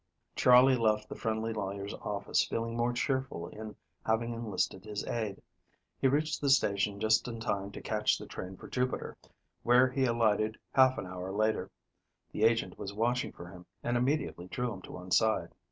Charley left the friendly lawyer's office feeling more cheerful in having enlisted his aid. He reached the station just in time to catch the train for Jupiter, where he alighted half an hour later. The agent was watching for him, and immediately drew him to one side.